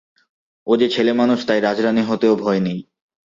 ও যে ছেলেমানুষ, তাই রাজরানী হতেও ভয় নেই।